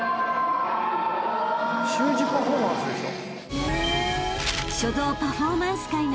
習字パフォーマンスでしょ。